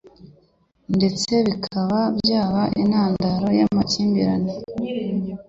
ndetse bikaba byaba n'intandaro y'amakimbirane